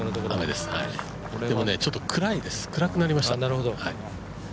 でも、ちょっと暗くなりました。